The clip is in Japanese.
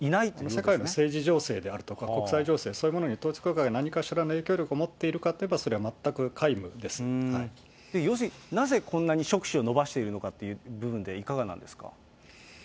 社会の世界情勢であるとか国際情勢、そういうものに統一教会が何かしらの影響力を持っているかといえ要するに、なぜこんなに触手を伸ばしているのかっていう部分ではいかがなんですか。